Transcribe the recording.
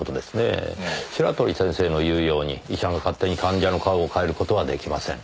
白鳥先生の言うように医者が勝手に患者の顔を変える事はできません。